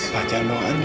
pak jangan bawa andi